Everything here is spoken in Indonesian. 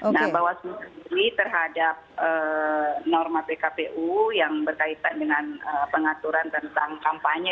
nah bawaslu sendiri terhadap norma pkpu yang berkaitan dengan pengaturan tentang kampanye